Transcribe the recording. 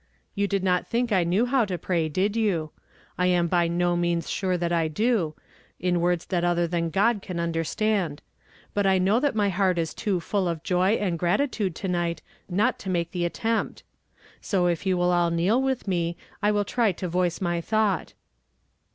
'' You did not think I knew how to pray, did you? lam by no means sure that I do, in words that other than God can understand; but I know that my heart is too full of joy and gratitude to night not to make the attempt; so if you will all kneel with me I will try to voice my thought."